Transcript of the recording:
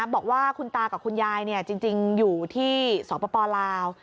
บอกว่าคุณตากับคุณยายจริงอยู่ที่สปลาว